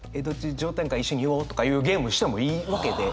上タンか一緒に言おう」とかいうゲームしてもいいわけで。